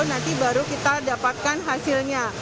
nanti baru kita dapatkan hasilnya